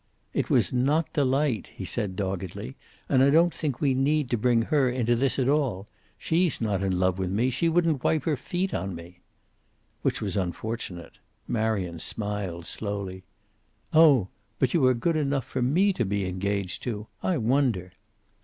"It was not Delight," he said doggedly. "And I don't think we need to bring her into this at all. She's not in love with me. She wouldn't wipe her feet on me." Which was unfortunate. Marion smiled slowly. "Oh! But you are good enough for me to be engaged to! I wonder!"